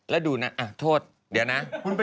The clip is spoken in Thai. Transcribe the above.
แล้วดูนะโทษเดี๋ยวนะ